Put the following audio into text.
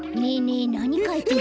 えなにかいてるの？